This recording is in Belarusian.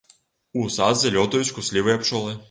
У садзе лётаюць куслівыя пчолы.